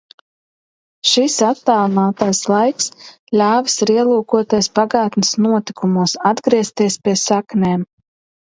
Šis attālinātais laiks ļāvis ir ielūkoties pagātnes notikumos, atgriezties pie saknēm.